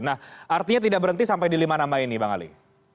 nah artinya tidak berhenti sampai di lima nama ini bang ali